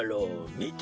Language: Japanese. みて？